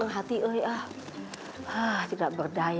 sekarang kita jalan